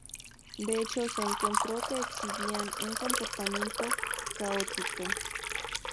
De hecho, se encontró que exhibían un comportamiento caótico.